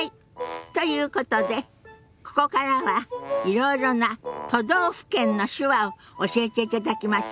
ということでここからはいろいろな都道府県の手話を教えていただきましょ。